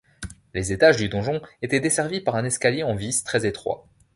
Les étages du donjon étaient desservis par un escalier en vis très étroit.